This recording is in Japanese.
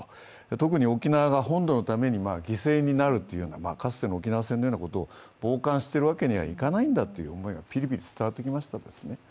特に沖縄が本土のために犠牲になるという、かつての沖縄戦のようなことを傍観しているわけにはいかないんだという思いがピリピリ伝わってきましたですね。